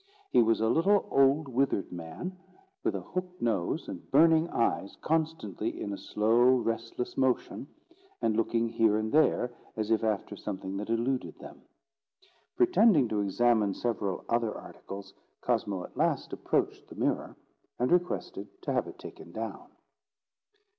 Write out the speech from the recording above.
He was a little, old, withered man, with a hooked nose, and burning eyes constantly in a slow restless motion, and looking here and there as if after something that eluded them. Pretending to examine several other articles, Cosmo at last approached the mirror, and requested to have it taken down.